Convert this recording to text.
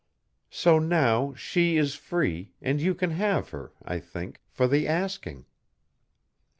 So now she is free and you can have her, I think, for the asking."